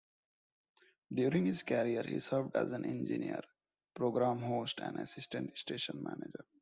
During his career he served as an engineer, program host and assistant-station manager.